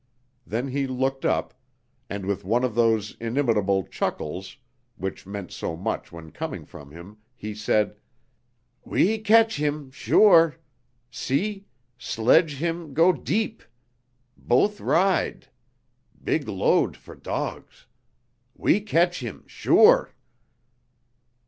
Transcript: Then he looked up, and with one of those inimitable chuckles which meant so much when coming from him, he said: "We catch heem sure! See sledge heem go deep. Both ride. Big load for dogs. We catch heem sure!"